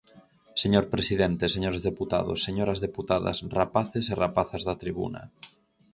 Señor presidente, señores deputados, señoras deputadas, rapaces e rapazas da tribuna.